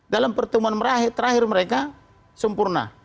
dalam pertemuan terakhir mereka sempurna